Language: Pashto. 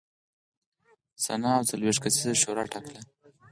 سنا او څلوېښت کسیزه شورا ټاکله.